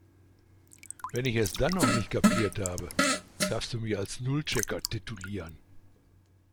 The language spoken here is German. Wenn ich es dann noch nicht kapiert habe, darfst du mich als Nullchecker titulieren.